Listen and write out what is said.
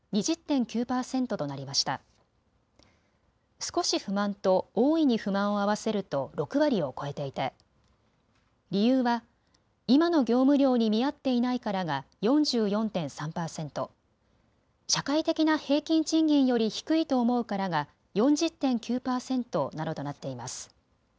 少し不満と大いに不満を合わせると６割を超えていて理由は今の業務量に見合っていないからが４４．３％、社会的な平均賃金より低いと思うからが４０．９％などとなっています。